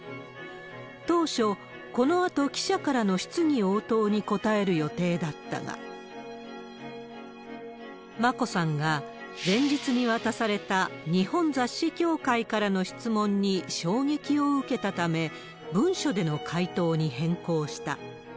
当初、このあと記者からの質疑応答に答える予定だったが、眞子さんが前日に渡された日本雑誌協会からの質問に衝撃を受けたため、文書での回答に変更した。